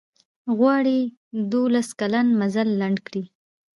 غواړي دولس کلن مزل لنډ کړي.